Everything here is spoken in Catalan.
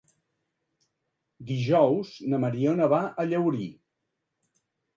Dijous na Mariona va a Llaurí.